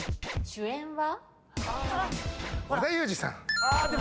主演は？